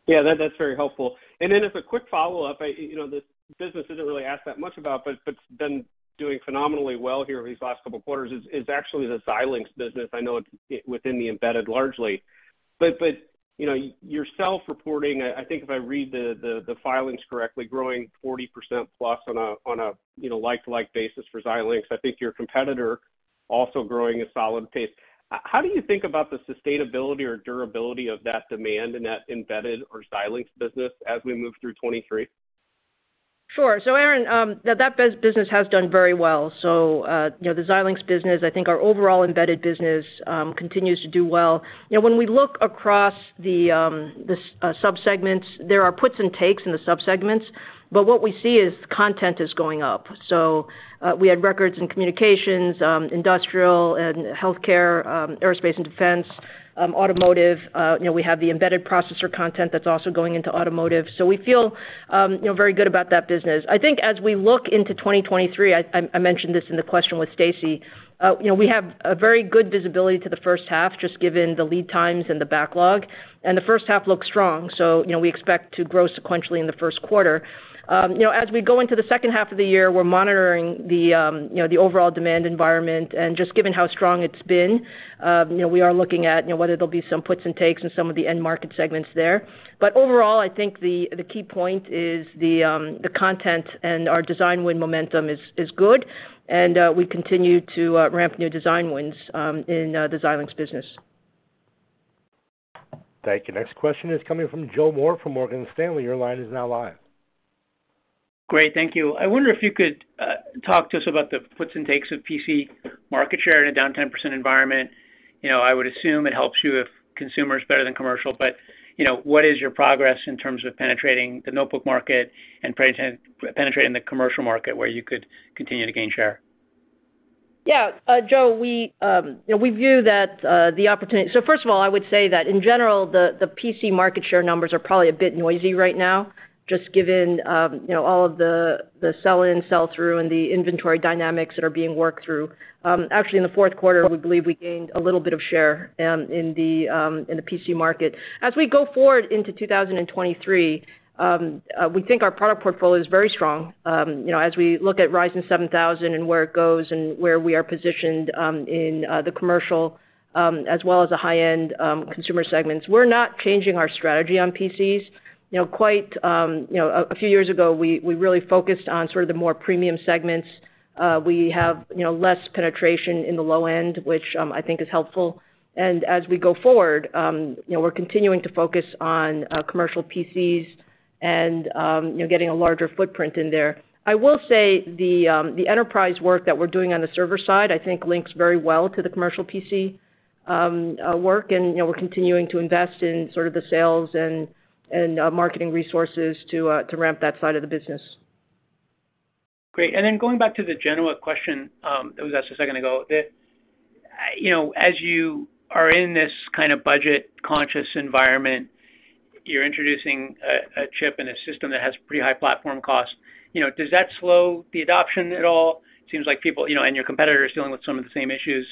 Yeah, that's very helpful. As a quick follow-up, you know, the business didn't really ask that much about, but it's been doing phenomenally well here these last couple of quarters, is actually the Xilinx business. I know it's within the embedded largely. But, you know, yourself reporting, I think if I read the filings correctly, growing 40%+ on a, you know, like-to-like basis for Xilinx. I think your competitor also growing a solid pace. How do you think about the sustainability or durability of that demand in that embedded or Xilinx business as we move through 2023?
Sure. Aaron, that business has done very well. You know, the Xilinx business, I think our overall embedded business continues to do well. You know, when we look across the subsegments, there are puts and takes in the subsegments, but what we see is content is going up. We had records in communications, industrial and healthcare, aerospace and defense, automotive. You know, we have the embedded processor content that's also going into automotive. We feel, you know, very good about that business. I think as we look into 2023, I mentioned this in the question with Stacy, you know, we have a very good visibility to the first half, just given the lead times and the backlog, and the first half looks strong. You know, we expect to grow sequentially in the first quarter. You know, as we go into the H2 of the year, we're monitoring the, you know, the overall demand environment. Just given how strong it's been, you know, we are looking at, you know, whether it'll be some puts and takes in some of the end market segments there. Overall, I think the key point is the content and our design win momentum is good, and we continue to ramp new design wins in the Xilinx business.
Thank you. Next question is coming from Joe Moore from Morgan Stanley. Your line is now live.
Great. Thank you. I wonder if you could talk to us about the puts and takes of PC market share in a downtime % environment. You know, I would assume it helps you if consumer is better than commercial, but, you know, what is your progress in terms of penetrating the notebook market and penetrating the commercial market where you could continue to gain share?
Yeah. Joe, we, you know, we view that the PC market share numbers are probably a bit noisy right now, just given, you know, all of the sell-in, sell-through and the inventory dynamics that are being worked through. Actually in the fourth quarter, we believe we gained a little bit of share in the PC market. As we go forward into 2023, we think our product portfolio is very strong, you know, as we look at Ryzen 7000 and where it goes and where we are positioned in the commercial, as well as the high-end consumer segments. We're not changing our strategy on PCs. You know, quite, you know, a few years ago, we really focused on sort of the more premium segments. We have, you know, less penetration in the low end, which, I think is helpful. As we go forward, you know, we're continuing to focus on commercial PCs and, you know, getting a larger footprint in there. I will say the enterprise work that we're doing on the server side, I think links very well to the commercial PC work. You know, we're continuing to invest in sort of the sales and marketing resources to ramp that side of the business.
Great. Going back to the Genoa question that was asked a second ago. You know, as you are in this kind of budget-conscious environment, you're introducing a chip and a system that has pretty high platform costs. You know, does that slow the adoption at all? Seems like people, you know, and your competitors dealing with some of the same issues.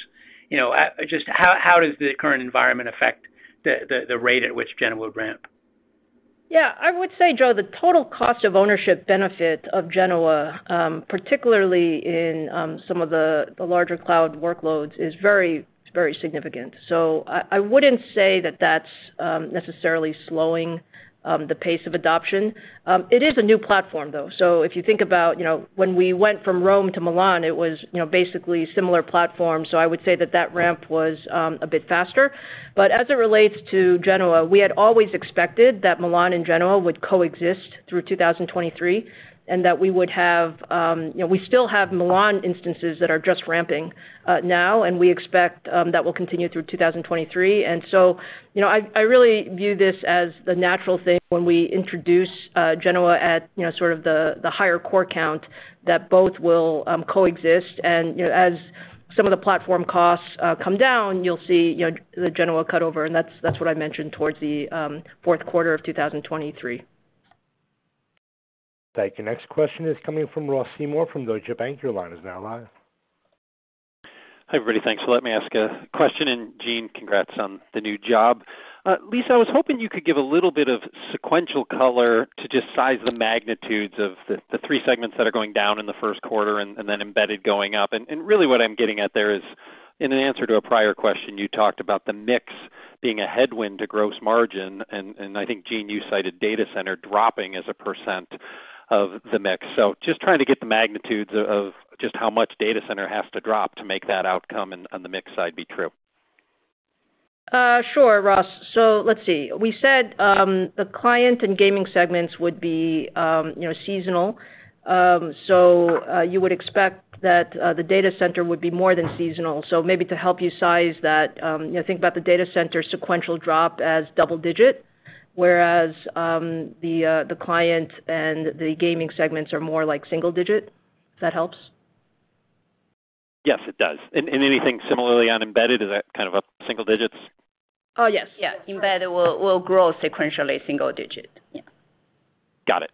You know, just how does the current environment affect the rate at which Genoa will ramp?
Yeah. I would say, Joe, the total cost of ownership benefit of Genoa, particularly in some of the larger cloud workloads is very, very significant. I wouldn't say that that's necessarily slowing the pace of adoption. It is a new platform, though. If you think about, you know, when we went from Rome to Milan, it was, you know, basically similar platforms. I would say that that ramp was a bit faster. As it relates to Genoa, we had always expected that Milan and Genoa would coexist through 2023, and that we would have, you know, we still have Milan instances that are just ramping now, and we expect that will continue through 2023. You know, I really view this as the natural thing when we introduce Genoa at, you know, sort of the higher core count, that both will coexist. You know, as some of the platform costs come down, you'll see, you know, the Genoa cut over, and that's what I mentioned towards the fourth quarter of 2023.
Thank you. Next question is coming from Ross Seymore from Deutsche Bank. Your line is now live.
Hi, everybody. Thanks. Let me ask a question. Jean, congrats on the new job. Lisa, I was hoping you could give a little bit of sequential color to just size the magnitudes of the three segments that are going down in the first quarter and then embedded going up. Really what I'm getting at there is, in an answer to a prior question, you talked about the mix being a headwind to gross margin. I think, Jean, you cited data center dropping as a percent of the mix. Just trying to get the magnitudes of just how much data center has to drop to make that outcome on the mix side be true.
Sure, Ross. Let's see. We said the client and gaming segments would be, you know, seasonal. You would expect that the data center would be more than seasonal. Maybe to help you size that, you know, think about the data center sequential drop as double digit, whereas the client and the gaming segments are more like single digit, if that helps.
Yes, it does. Anything similarly on embedded, is that kind of a single digits?
Oh, yes. Yeah. Embedded will grow sequentially single digit. Yeah.
Got it.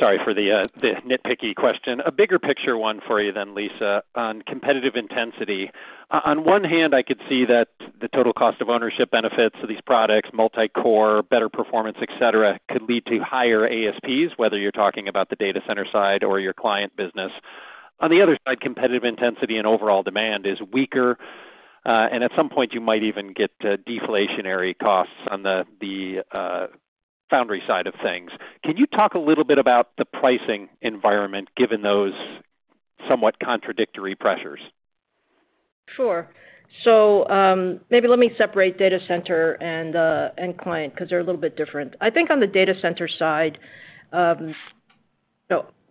Sorry for the nitpicky question. A bigger picture one for you then, Lisa, on competitive intensity. On one hand, I could see that the total cost of ownership benefits of these products, multi-core, better performance, et cetera, could lead to higher ASPs, whether you're talking about the data center side or your client business. On the other side, competitive intensity and overall demand is weaker, and at some point, you might even get deflationary costs on the foundry side of things. Can you talk a little about the pricing environment given those somewhat contradictory pressures?
Sure. Maybe let me separate data center and client, 'cause they're a little bit different. I think on the data center side,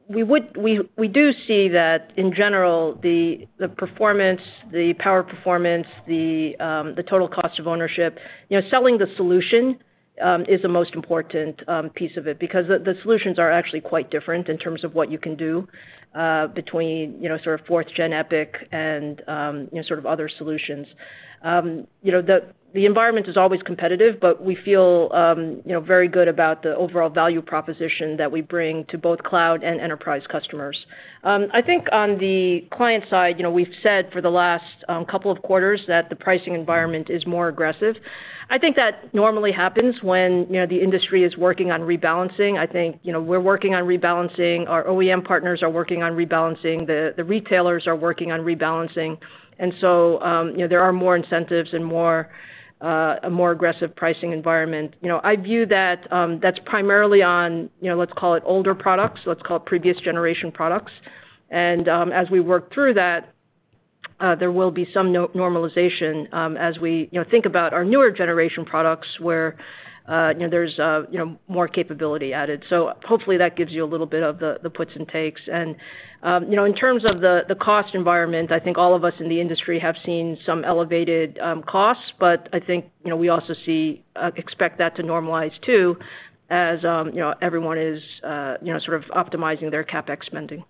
we do see that in general, the performance, the power performance, the total cost of ownership, you know, selling the solution, is the most important piece of it because the solutions are actually quite different in terms of what you can do between, you know, sort of 4th Gen EPYC and, you know, sort of other solutions. You know, the environment is always competitive, but we feel, you know, very good about the overall value proposition that we bring to both cloud and enterprise customers. I think on the client side, you know, we've said for the last couple of quarters that the pricing environment is more aggressive. I think that normally happens when, you know, the industry is working on rebalancing. I think, you know, we're working on rebalancing, our OEM partners are working on rebalancing, the retailers are working on rebalancing. You know, there are more incentives and more a more aggressive pricing environment. You know, I view that that's primarily on, you know, let's call it older products, let's call it previous generation products. As we work through that, there will be some no-normalization as we, you know, think about our newer generation products where, you know, there's, you know, more capability added. Hopefully, that gives you a little bit of the puts and takes. You know, in terms of the cost environment, I think all of us in the industry have seen some elevated costs, but I think, you know, we also expect that to normalize too as, you know, everyone is, you know, sort of optimizing their CapEx spending.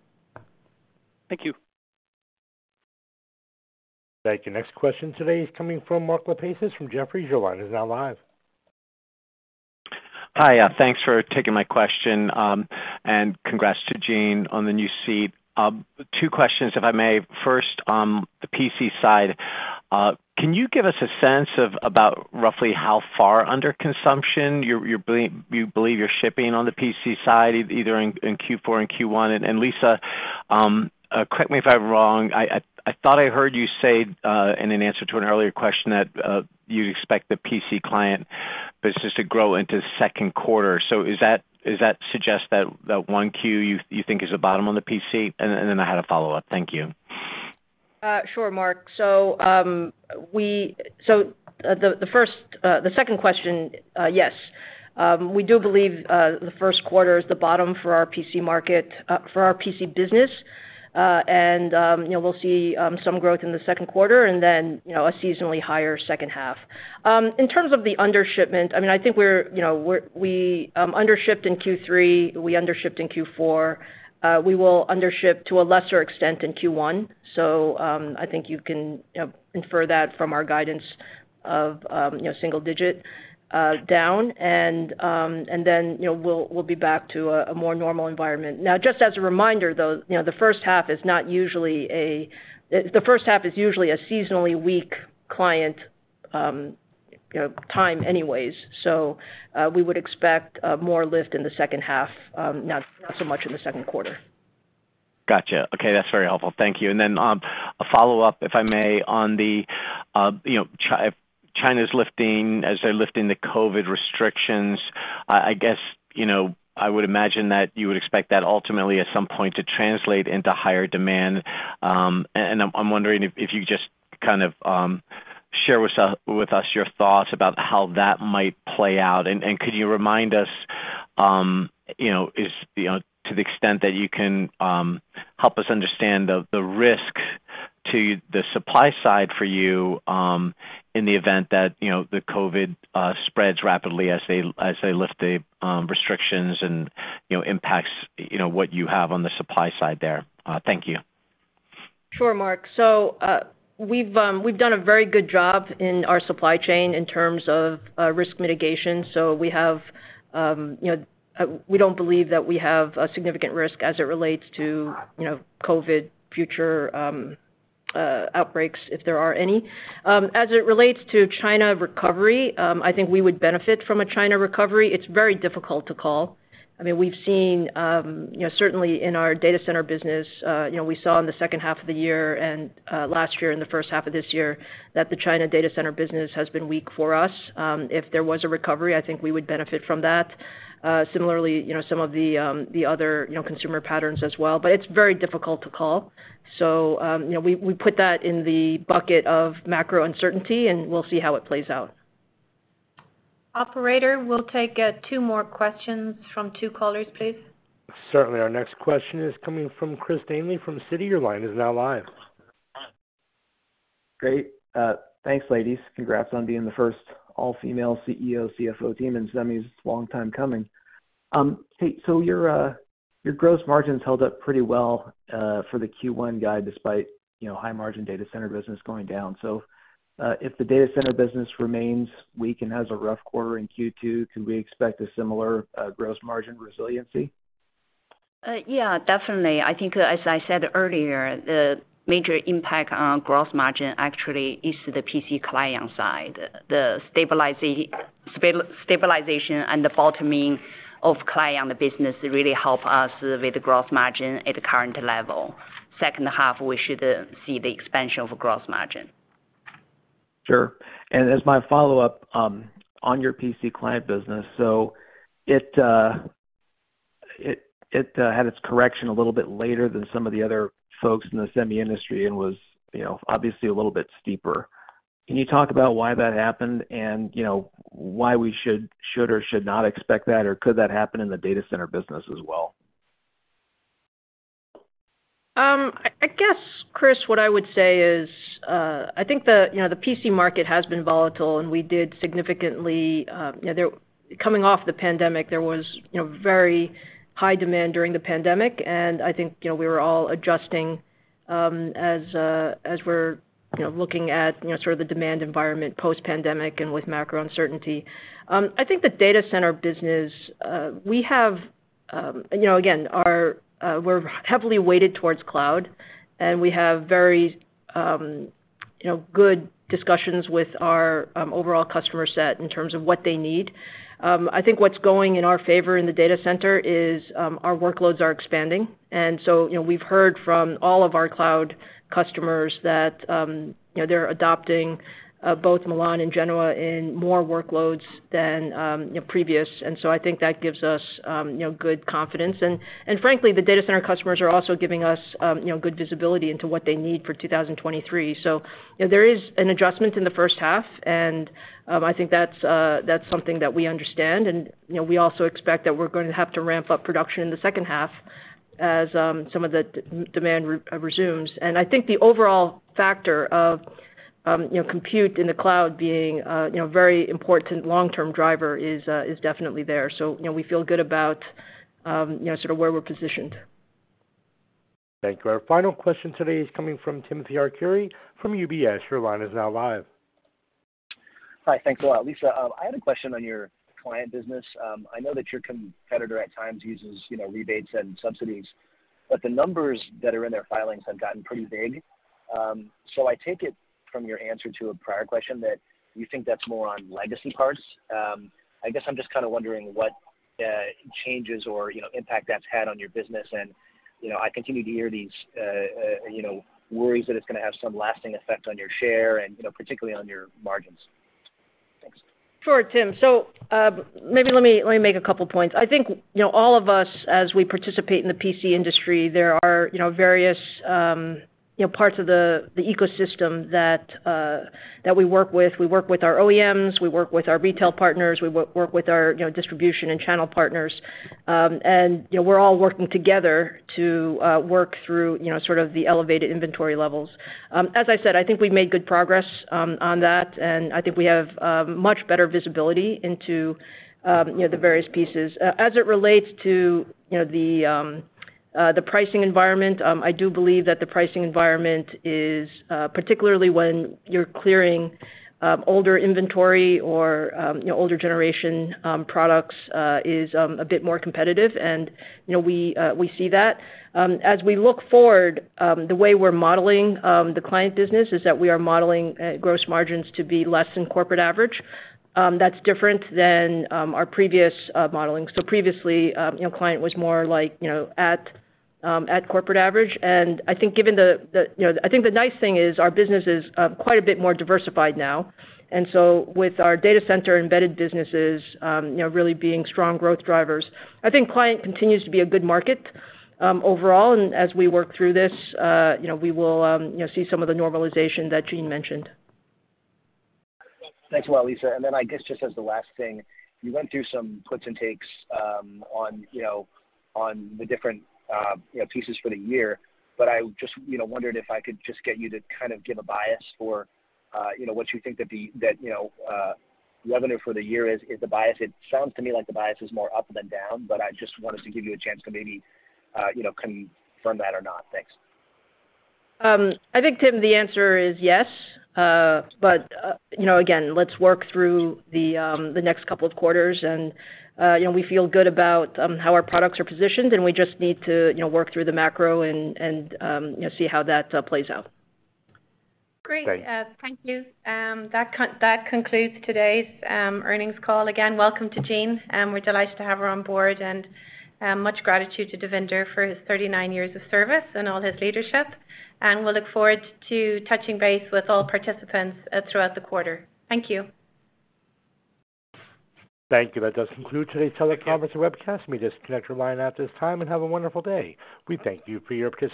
Thank you.
Thank you. Next question today is coming from Mark Lipacis from Jefferies. Your line is now live.
Hi. Thanks for taking my question. Congrats to Jean on the new seat. Two questions, if I may. First, on the PC side, can you give us a sense of about roughly how far under consumption you believe you're shipping on the PC side either in Q4 and Q1? Lisa, correct me if I'm wrong, I thought I heard you say in an answer to an earlier question that you'd expect the PC client business to grow into second quarter. Is that suggest that one Q you think is the bottom on the PC? Then I had a follow-up. Thank you.
Sure, Mark. The first, the second question, yes, we do believe the first quarter is the bottom for our PC market, for our PC business. You know, we'll see some growth in the second quarter and then, you know, a seasonally higher second half. In terms of the undershipment, I mean, I think we're, you know, we undershipped in Q3, we undershipped in Q4. We will undership to a lesser extent in Q1. I think you can, you know, infer that from our guidance of, you know, single-digit down, then, you know, we'll be back to a more normal environment. Just as a reminder, though, you know, the first half is usually a seasonally weak client, you know, time anyways. We would expect more lift in the second half, not so much in the second quarter.
Gotcha. Okay, that's very helpful. Thank you. A follow-up, if I may, on the, you know, China's lifting, as they're lifting the COVID restrictions, I guess, you know, I would imagine that you would expect that ultimately at some point to translate into higher demand. I'm wondering if you could just kind of share with us your thoughts about how that might play out. Could you remind us, you know, is, you know, to the extent that you can help us understand the risk to the supply side for you in the event that, you know, the COVID spreads rapidly as they lift the restrictions and, you know, impacts, you know, what you have on the supply side there? Thank you.
Sure, Mark. We've done a very good job in our supply chain in terms of risk mitigation. We have, you know, we don't believe that we have a significant risk as it relates to, you know, COVID future outbreaks, if there are any. As it relates to China recovery, I think we would benefit from a China recovery. It's very difficult to call. I mean, we've seen, you know, certainly in our data center business, you know, we saw in the H2 of the year and last year and the H1 of this year that the China data center business has been weak for us. If there was a recovery, I think we would benefit from that. Similarly, you know, some of the other, you know, consumer patterns as well, but it's very difficult to call. You know, we put that in the bucket of macro uncertainty, and we'll see how it plays out.
Operator, we'll take two more questions from two callers, please.
Certainly. Our next question is coming from Chris Danely from Citi. Your line is now live.
Great. Thanks, ladies. Congrats on being the first all-female CEO, CFO team in semis. It's a long time coming. Jean, so you're. Your gross margins held up pretty well, for the Q1 guide, despite, you know, high margin data center business going down. If the data center business remains weak and has a rough quarter in Q2, can we expect a similar, gross margin resiliency?
Yeah, definitely. I think, as I said earlier, the major impact on gross margin actually is the PC client side. The stabilization and the bottoming of client business really help us with the gross margin at current level. Second half, we should see the expansion of gross margin.
Sure. As my follow-up, on your PC client business. It had its correction a little bit later than some of the other folks in the semi industry and was, you know, obviously a little bit steeper. Can you talk about why that happened and, you know, why we should or should not expect that, or could that happen in the data center business as well?
I guess, Chris, what I would say is, I think the PC market has been volatile, and we did significantly. Coming off the pandemic, there was very high demand during the pandemic. I think we were all adjusting as we're looking at sort of the demand environment post-pandemic and with macro uncertainty. I think the data center business, we have again, we're heavily weighted towards cloud, and we have very good discussions with our overall customer set in terms of what they need. I think what's going in our favor in the data center is our workloads are expanding. You know, we've heard from all of our cloud customers that, you know, they're adopting both Milan and Genoa in more workloads than, you know, previous. I think that gives us, you know, good confidence. Frankly, the data center customers are also giving us, you know, good visibility into what they need for 2023. You know, there is an adjustment in the first half, and I think that's something that we understand. You know, we also expect that we're going to have to ramp up production in the second half as some of the demand resumes. I think the overall factor of, you know, compute in the cloud being, you know, very important long-term driver is definitely there. You know, we feel good about, you know, sort of where we're positioned.
Thank you. Our final question today is coming from Timothy Arcuri from UBS. Your line is now live.
Hi. Thanks a lot. Lisa, I had a question on your client business. I know that your competitor at times uses, you know, rebates and subsidies, but the numbers that are in their filings have gotten pretty big. I take it from your answer to a prior question that you think that's more on legacy parts. I guess I'm just kinda wondering what changes or, you know, impact that's had on your business. You know, I continue to hear these, you know, worries that it's gonna have some lasting effect on your share and, you know, particularly on your margins. Thanks.
Sure, Tim. Maybe let me, let me make a couple points. I think, you know, all of us as we participate in the PC industry, there are, you know, various, you know, parts of the ecosystem that we work with. We work with our OEMs, we work with our retail partners, we work with our, you know, distribution and channel partners. You know, we're all working together to work through, you know, sort of the elevated inventory levels. As I said, I think we've made good progress on that, and I think we have much better visibility into, you know, the various pieces. As it relates to, you know, the pricing environment, I do believe that the pricing environment is particularly when you're clearing older inventory or, you know, older generation products, is a bit more competitive and, you know, we see that. As we look forward, the way we're modeling the client business is that we are modeling gross margins to be less than corporate average. That's different than our previous modeling. Previously, you know, client was more like, you know, at corporate average. I think given the, you know, I think the nice thing is our business is quite a bit more diversified now. With our data center embedded businesses, you know, really being strong growth drivers, I think client continues to be a good market, overall. As we work through this, you know, we will, you know, see some of the normalization that Jean mentioned.
Thanks a lot, Lisa. I guess just as the last thing, you went through some puts and takes, on, you know, on the different, you know, pieces for the year. I just, you know, wondered if I could just get you to kind of give a bias for, you know, what you think that, you know, revenue for the year is the bias? It sounds to me like the bias is more up than down, but I just wanted to give you a chance to maybe, you know, confirm that or not. Thanks.
I think, Tim, the answer is yes. You know, again, let's work through the next couple of quarters and, you know, we feel good about how our products are positioned and we just need to, you know, work through the macro and, you know, see how that plays out.
Great.
Great.
Thank you. That concludes today's earnings call. Again, welcome to Jean, and we're delighted to have her on board, and much gratitude to Devinder for his 39 years of service and all his leadership. We'll look forward to touching base with all participants throughout the quarter. Thank you.
Thank you. That does conclude today's teleconference and webcast. You may disconnect your line at this time, and have a wonderful day. We thank you for your participation.